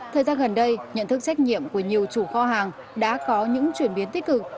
thời gian gần đây nhận thức trách nhiệm của nhiều chủ kho hàng đã có những chuyển biến tích cực